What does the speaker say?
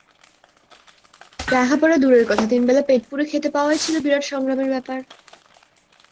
লেখাপড়া দূরের কথা, তিনবেলা পেটপুরে খেতে পাওয়াই ছিল বিরাট সংগ্রামের ব্যাপার।